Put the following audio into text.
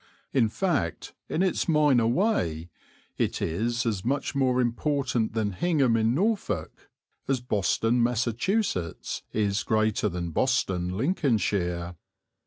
In fact, in its minor way, it is as much more important than Hingham in Norfolk, as Boston, Massachusetts, is greater than Boston, Lincolnshire.